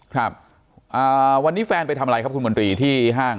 ครับวันนี้แฟนไปทำอะไรครับคุณมนตรีที่ห้าง